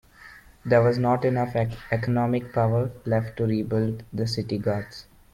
There was not enough economic power left to rebuild the city guards.